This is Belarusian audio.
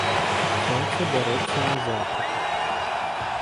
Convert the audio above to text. Сонца бярэцца на захад.